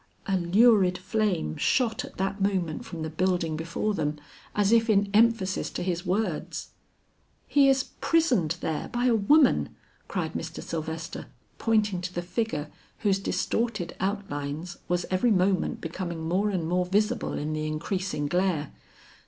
A lurid flame shot at that moment from the building before them, as if in emphasis to his words. "He is prisoned there by a woman," cried Mr. Sylvester, pointing to the figure whose distorted outlines was every moment becoming more and more visible in the increasing glare.